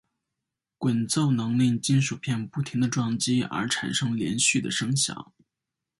滚奏能令金属片不停地撞击而产生连续的声响。